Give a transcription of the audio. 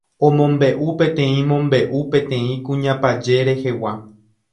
Omombe'u peteĩ mombe'u peteĩ kuñapaje rehegua